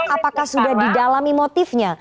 apakah sudah didalami motifnya